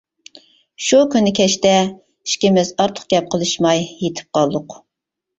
شۇ كۈنى كەچتە ئىككىمىز ئارتۇق گەپ قىلىشماي يېتىپ قالدۇق.